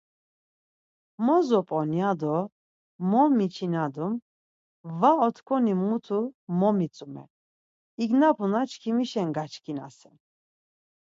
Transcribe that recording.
Mo zop̌on ya do mo mçinadum, va otkoni mutu mo mitzume, ignapuna çkimişen gaçkinasen.